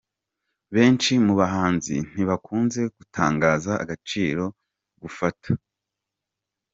Benshi mu bahanzi ntibakunze gutangaza agaciro gufata.